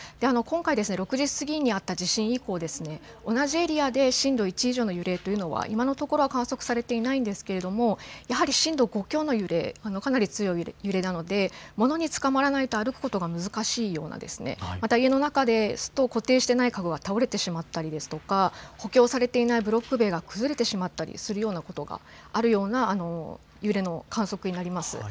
今回、６時過ぎにあった地震以降、同じエリアで震度１以上の揺れというのは、今のところ、観測されていないんですけれども、やはり震度５強の揺れ、かなり強い揺れなので、物につかまらないと歩くことが難しいような、また家の中ですと、固定していない家具は倒れてしまったりですとか、補強されていないブロック塀が崩れてしまったりするようなことがあるような、揺れの観測になります。